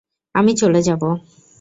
আমি চলে যাবো।